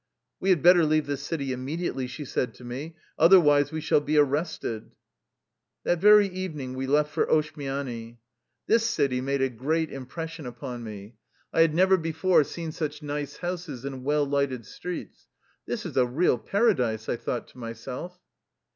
" We had better leave this city immediately/' she said to me, " otherwise we shall be arrested." That very evening we left for Oshmiany. This city made a great impression upon me. I 3 Policeman. 32 THE LIFE STORY OF A RUSSIAN EXILE bad never before seen such nice houses and well lighted streets. "This is a real paradise," I thought to myself.